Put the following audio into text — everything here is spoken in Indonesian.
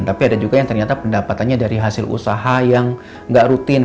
tapi ada juga yang ternyata pendapatannya dari hasil usaha yang nggak rutin